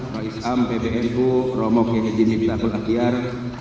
faizam pbnu romo kejimitahul akhiar